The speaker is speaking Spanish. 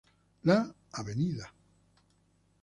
La Avda.